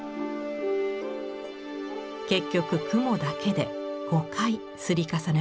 結局雲だけで５回摺り重ねました。